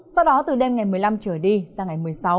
sau đó từ đêm ngày một mươi năm trở đi sang ngày một mươi sáu